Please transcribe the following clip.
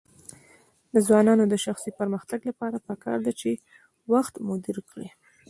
د ځوانانو د شخصي پرمختګ لپاره پکار ده چې وخت مدیریت کړي.